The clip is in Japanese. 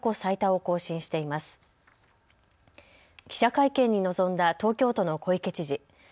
記者会見に臨んだ東京都の小池知事。